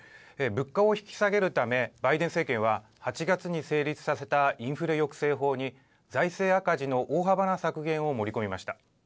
物価を引き下げるためバイデン政権は８月に成立させたインフレ抑制法に財政赤字の大幅な削減を盛り込みました。